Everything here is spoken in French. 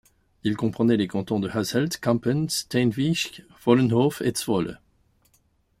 Il comprenait les cantons de Hasselt, Kampen, Steenwijk, Vollenhove et Zwolle.